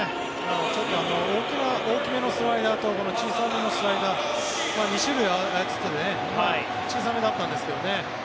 ちょっと大きめのスライダーとこの小さめのスライダー２種類操っていて今のは小さめだったんですけどね。